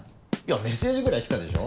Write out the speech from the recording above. メッセージぐらい来たでしょ。